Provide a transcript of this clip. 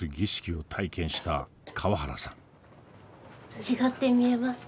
違って見えますか？